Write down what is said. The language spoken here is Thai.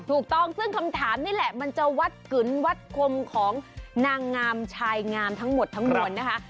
ถูกต้องซึ่งคำถามนี่แหละมันจะวัดกึนวัดคมของนางงามชายงามทั้งหมดทั้งมวลนะคะ